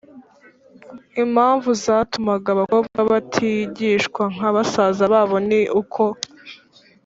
Impamvu zatumaga abakobwa batigishwa nka basaza babo, ni uko